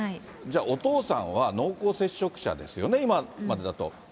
じゃあ、お父さんは濃厚接触者ですよね、今までだと。